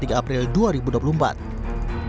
tim liputan kompas tv